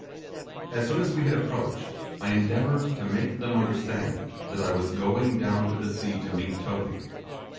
As soon as we had approached, I endeavoured to make them understand that I was going down to the sea to meet Toby.